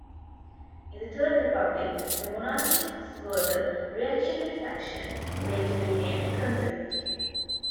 In the Third Republic, the monarchists were the "reactionary faction", later renamed "conservative".